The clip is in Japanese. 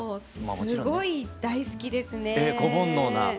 すごい大好きですねぇ。